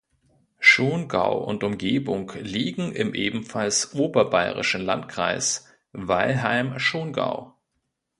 Schongau und Umgebung liegen im ebenfalls oberbayerischen Landkreis Weilheim-Schongau.